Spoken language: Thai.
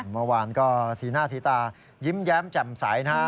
เมื่อวานก็สีหน้าสีตายิ้มแย้มแจ่มใสนะฮะ